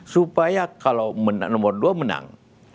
supaya kalau nomor dua menang